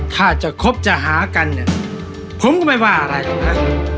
ถ้าจะคบจะหากันเนี่ยผมก็ไม่ว่าอะไรหรอกนะ